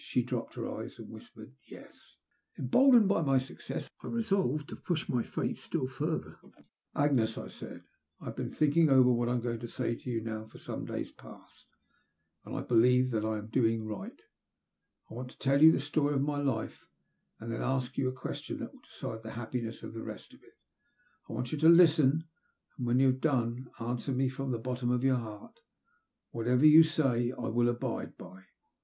She dropped her eyes and whispered "Yes." Emboldened by my success I resolved to push my fate still further. Agnes," I said, " I have been thinking over what I am going to say to you now for some days past, and I believe I am doing right. I want to tell' you the story of my life, and then to ask you a question that will decide the happiness of the rest of it. I want you to listen and, when I have done, answer me from the bottom of your heart. Whatever you say I will abide by."